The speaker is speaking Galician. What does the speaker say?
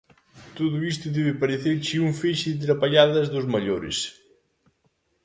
Todo isto debe parecerche un feixe de trapalladas dos maiores.